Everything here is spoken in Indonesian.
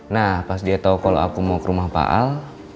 nah pas dia tahu kalau aku mau ke rumah pak al